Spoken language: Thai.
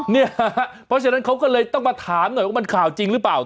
เพราะฉะนั้นเขาก็เลยต้องมาถามหน่อยว่ามันข่าวจริงหรือเปล่า